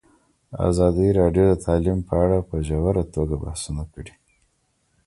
ازادي راډیو د تعلیم په اړه په ژوره توګه بحثونه کړي.